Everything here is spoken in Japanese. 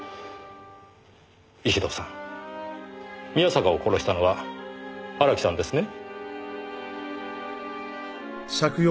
石堂さん宮坂を殺したのは荒木さんですね？